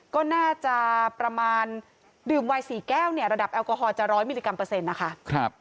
ก็น่าจะประมาณดื่มวัย๔แก้วเนี่ยระดับแอลกอฮอลจะ๑๐๐มิลลิกรัเปอร์เซ็นต์นะคะ